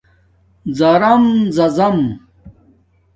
زارم زازام